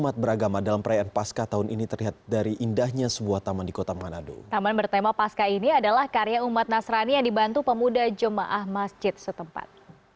taman bertema paska ini adalah karya umat nasrani yang dibantu pemuda jemaah masjid setempat